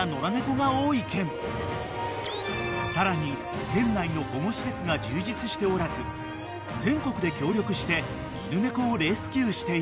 ［さらに県内の保護施設が充実しておらず全国で協力して犬猫をレスキューしている］